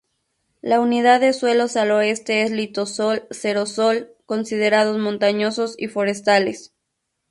La unidad de suelos al oeste es litosol-xerosol, considerados montañosos y forestales.